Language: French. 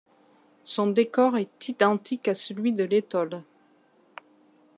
Son décor est identique à celui de l'étole.